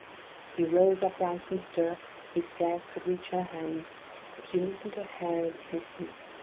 VI He rose upright in the stirrups; he scarce could reach her hand, But she loosened her hair i' the casement!